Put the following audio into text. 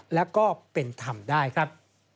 และก็เป็นธรรมได้ครับ